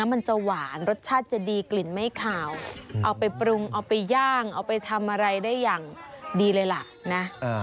เอาไปปรุงเอาไปย่างเอาไปทำอะไรได้อย่างดีเลยล่ะนะ